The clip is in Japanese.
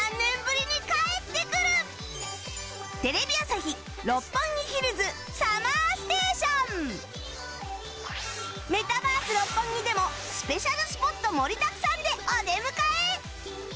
さらにあのメタバース六本木でもスペシャルスポット盛りだくさんでお出迎え！